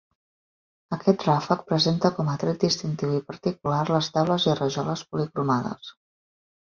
Aquest ràfec presenta com a tret distintiu i particular les teules i rajoles policromades.